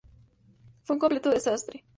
Fue un completo desastre.